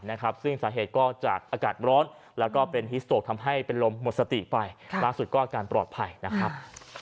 ล่าสุดก็อาการปลอดภัยนะครับ